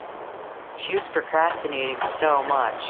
She was procrastinating so much.